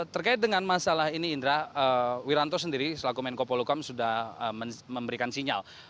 terkait dengan masalah ini indra wiranto sendiri selaku menko polukam sudah memberikan sinyal